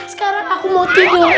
sekarang aku mau tidur